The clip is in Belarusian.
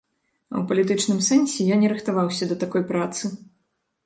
А ў палітычным сэнсе я не рыхтаваўся да такой працы.